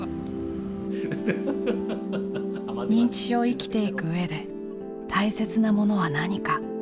認知症を生きていく上で大切なものは何か。